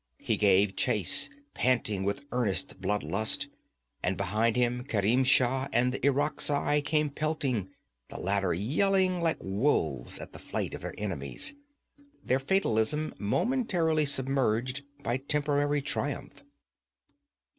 He gave chase, panting with earnest blood lust, and behind him Kerim Shah and the Irakzai came pelting, the latter yelling like wolves at the flight of their enemies, their fatalism momentarily submerged by temporary triumph.